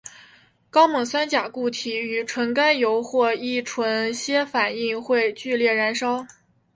高锰酸钾固体与纯甘油或一些醇反应会剧烈燃烧。